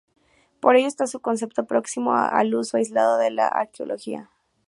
Por ello está su concepto próximo al uso aislado de la arqueología.